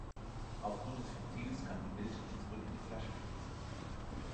Aufgrund des Ventils kann die Milch nicht zurück in die Flasche fließen.